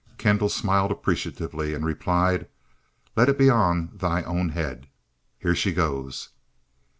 Kendall smiled appreciatively and replied: "Let it be on thy own head. Here she goes."